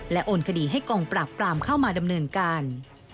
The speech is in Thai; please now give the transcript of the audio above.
โอนคดีให้กองปราบปรามเข้ามาดำเนินการ